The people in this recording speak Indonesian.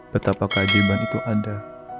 betapa keajiban itu ada